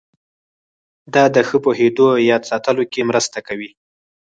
دا د ښه پوهېدو او یاد ساتلو کې مرسته کوي.